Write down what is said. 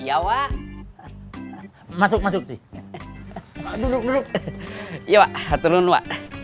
iya wa masuk masuk sih duduk duduk ya wa turun wa